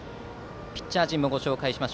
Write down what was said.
ピッチャー陣もご紹介します。